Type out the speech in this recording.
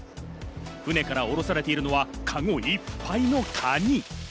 船からおろされているのはカゴいっぱいのカニ。